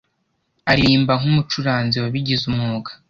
aririmba nk'umucuranzi wabigize umwuga.